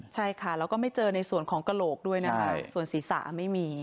ใช่ค่ะแล้วก็ไม่เจอในส่วนของกระโหลกด้วยนะคะส่วนศีรษะไม่มี